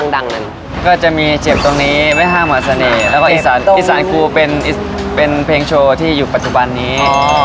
ก็จะมีเจ็บตรงนี้ไม่ห้ามหาเสน่ห์แล้วก็อีสานอีสานครูเป็นเพลงโชว์ที่อยู่ปัจจุบันนี้